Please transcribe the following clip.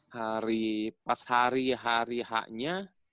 hari pas hari hari h nya